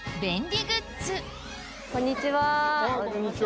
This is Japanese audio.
こんにちは。